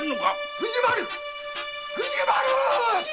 藤丸！